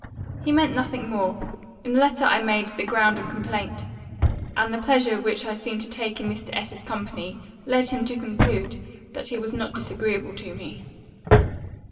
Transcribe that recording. He meant nothing more, in the letter I made the ground of complaint; and the pleasure which I seemed to take in Mr. S.'s company, led him to conclude, that he was not disagreeable to me.